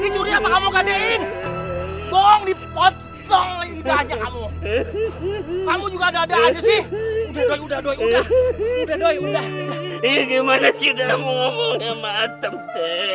kamu juga ada aja sih udah udah udah udah udah udah udah udah udah udah